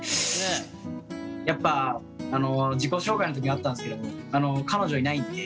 やっぱ自己紹介の時にあったんですけど１６年いないって。